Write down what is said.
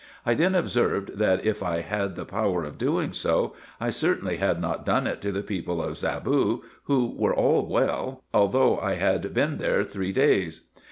I then observed, that if I had the power of doing so, 1 certainly had not done it to the people of Zaboo, who were all well, although I had been there three days.